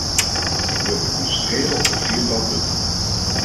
Ik wil mij concentreren op een viertal punten.